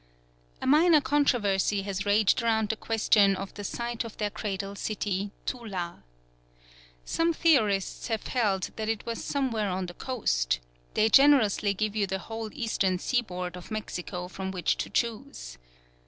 A minor controversy has raged around the question of the site of their cradle city, Tula. Some theorists have held that it was somewhere on the coast: they generously give you the whole eastern seaboard of Mexico from which to choose.